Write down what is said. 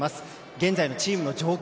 現在のチームの状況